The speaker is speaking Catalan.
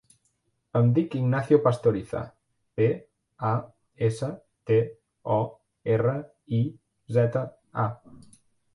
Em dic Ignacio Pastoriza: pe, a, essa, te, o, erra, i, zeta, a.